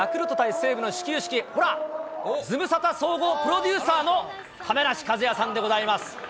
西武の始球式、ほら、ズムサタ総合プロデューサーの、亀梨和也さんでございます。